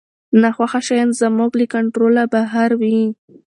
ناخوښه شیان زموږ له کنټروله بهر وي.